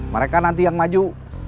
mereka nanti yang maju